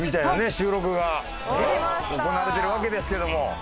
収録が行われてるわけですけども。